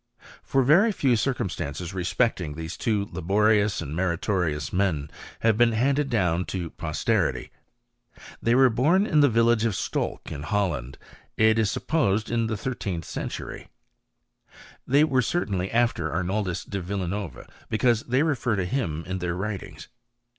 For very few circum stances respecting these two laborious and meritorious men have been handed down to posterity. They were bom in the village of Stolk in Holland, it is supposed in the 13th century. Tliey certainly were after At* noldus de Villa Nova, because they refer to him in their writings.